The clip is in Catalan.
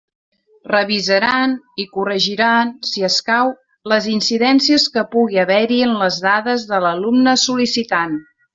Revisaran i corregiran, si escau, les incidències que pugui haver-hi en les dades de l'alumne sol·licitant.